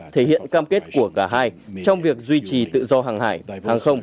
thể hiện cam kết của cả hai trong việc duy trì tự do hàng hải hàng không